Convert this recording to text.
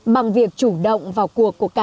bằng việc chủ động vào cuộc của cả